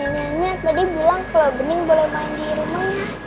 nenek nanya tadi bilang kalau bening boleh manjir rumah